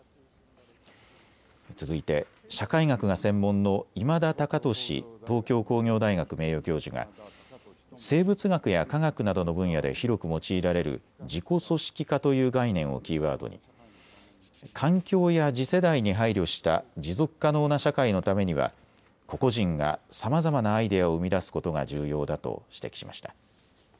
続いて社会学が専門の今田高俊東京工業大学名誉教授が生物学や化学などの分野で広く用いられる自己組織化という概念をキーワードに環境や次世代に配慮した持続可能な社会のためには個々人がさまざまなアイデアを生み出すことが重要だと指摘しました。